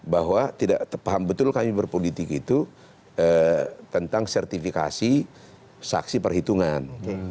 bahwa tidak terpaham betul kami berpolitik itu tentang sertifikasi saksi perhitungan